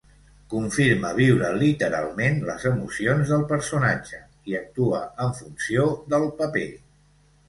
Confirma viure literalment les emocions del personatge i actuar en funció del paper.